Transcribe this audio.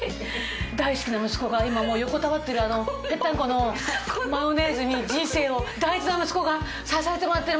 大好きな息子が今もう横たわってるあのぺったんこのマヨネーズに人生を大事な息子が支えてもらってる。